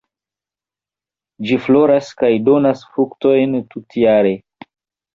Ĝi floras kaj donas fruktojn tutjare.